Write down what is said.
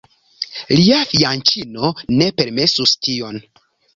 Lia fianĉino ne permesus tion.